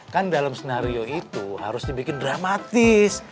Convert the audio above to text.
kan dalam snario itu harus dibikin dramatis